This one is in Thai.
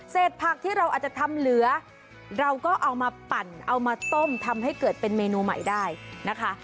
ผักที่เราอาจจะทำเหลือเราก็เอามาปั่นเอามาต้มทำให้เกิดเป็นเมนูใหม่ได้นะคะ